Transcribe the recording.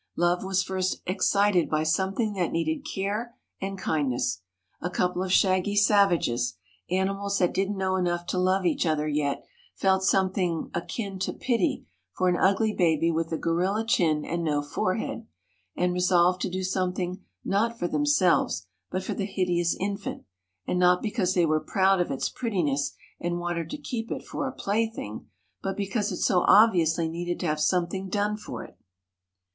Love was first excited by something that needed care and kindness. A couple of shaggy savages, animals that didn't know enough to love each other yet, felt something "akin to pity" for an ugly baby with a gorilla chin and no forehead, and resolved to do something not for themselves, but for the hideous infant, and not because they were proud of its prettiness and wanted to keep it for a plaything, but because it so obviously needed to have something done for it.